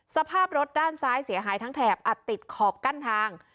สภาพรถด้านซ้ายเสียหายทั้งแถบอัดติดขอบกั้นทาง